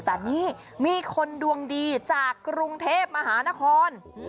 แต่นี่มีคนดวงดีจากกรุงเทพมหานคร